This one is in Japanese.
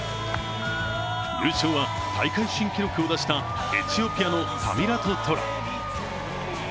優勝は大会新記録を出したエチオピアのタミラト・トラ。